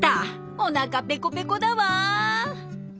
おなかペコペコだわ。